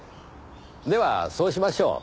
ではそうしましょう。